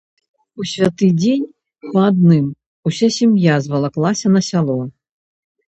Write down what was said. У святы дзень па адным уся сям'я звалаклася на сяло.